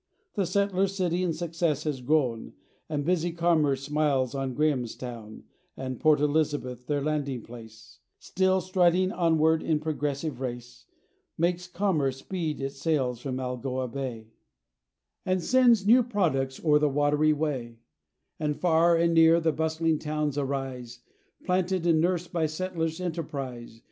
The settler's city in success has grown, And busy commerce smiles on Grahamstown; And Port Elizabeth, their landing place, Still striding onward in progressive race, Makes commerce speed its sails from Algoa Bay, And sends new products o'er the watery way; And far and near the bustling towns arise, Planted and nursed by settlers' enterprise.